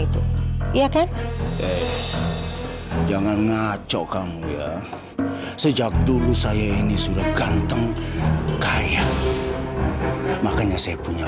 terima kasih jangan ngaco kamu ya sejak dulu saya ini sudah ganteng kaya makanya saya punya